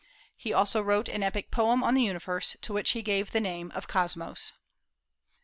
He also wrote an epic poem on the universe, to which he gave the name of Kosmos.